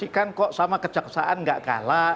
kok sama kejaksaan nggak kalah